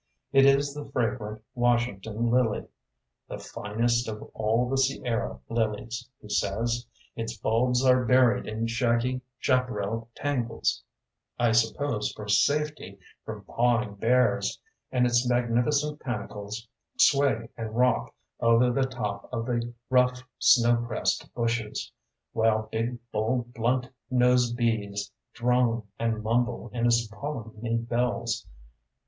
It is the fragrant Washington lily, “the finest of all the Sierra lilies,” he says. “Its bulbs are buried in shaggy chaparral tangles, I suppose for safety from pawing bears; and its magnificent panicles sway and rock over the top of the rough snow pressed bushes, while big, bold, blunt nosed bees drone and mumble in its polleny bells.